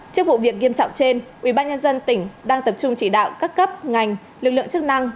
trước vụ việc nghiêm trọng trên ubnd tỉnh đang tập trung chỉ đạo các cấp ngành lực lượng chức năng